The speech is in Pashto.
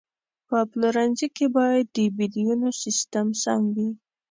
په پلورنځي کې باید د بیلونو سیستم سم وي.